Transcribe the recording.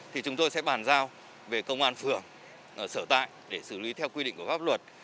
thì chúng tôi sẽ bàn giao về công an phường sở tại để xử lý theo quy định của pháp luật